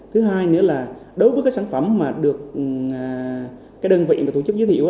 thứ hai nữa là đối với các sản phẩm mà được đơn vị tổ chức giới thiệu